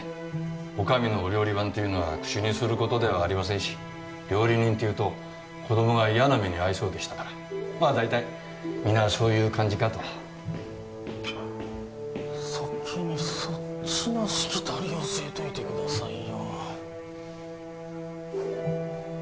お上のお料理番というのは口にすることではありませんし料理人っていうと子供が嫌な目にあいそうでしたからまあ大体皆そういう感じかと先にそっちのしきたりを教えといてくださいよ